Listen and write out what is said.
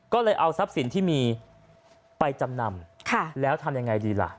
ก็เลยเอาทรัพย์สินที่มีไปจำนำแล้วทำยังไงดีล่ะ